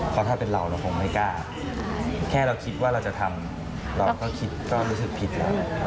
เพราะถ้าเป็นเราเราคงไม่กล้าแค่เราคิดว่าเราจะทำเราก็คิดก็รู้สึกผิดแล้ว